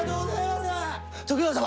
徳川様！